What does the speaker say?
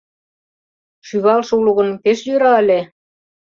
Шӱвалше уло гын, пеш йӧра ыле.